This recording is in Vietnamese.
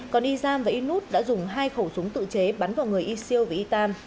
còn isam và inut đã dùng hai khẩu súng tự chế bắn vào người isil và itam